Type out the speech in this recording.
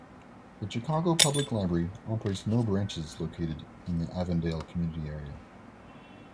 The Chicago Public Library operates no branches located in the Avondale community area.